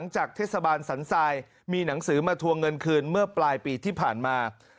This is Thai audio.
จากเทศบาลสันทรายมีหนังสือมาทวงเงินคืนเมื่อปลายปีที่ผ่านมา